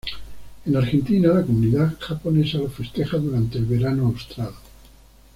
En Argentina la comunidad japonesa lo festeja durante el verano austral.